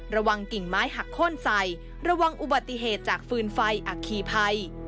กิ่งไม้หักโค้นใส่ระวังอุบัติเหตุจากฟืนไฟอัคคีภัย